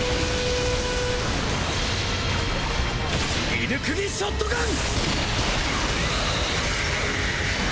イヌクギ・ショットガン！